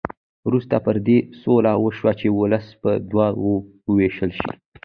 وروسته پر دې سوله وشوه چې ولس په دوه وو وېشل شي.